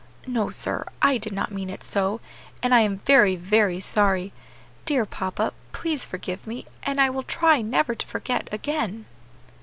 "No, sir; I did not mean it so, and I am very, very sorry; dear papa, please forgive me, and I will try never to forget again."